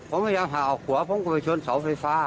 ผมพยายามหาออกหัวผมก็ไปชนเสาไฟฟ้า